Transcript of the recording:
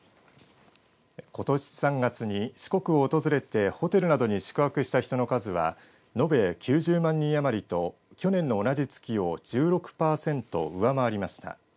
ことし３月に四国を訪れてホテルなどに宿泊した人の数は延べ９０万人余りと去年の同じ月を１６パーセント上回りました。